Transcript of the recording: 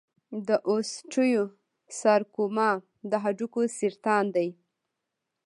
د اوسټیوسارکوما د هډوکو سرطان دی.